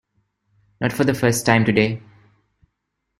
Not for the first time today.